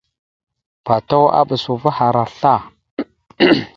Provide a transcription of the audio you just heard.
Patu aɓas uvah ara sla.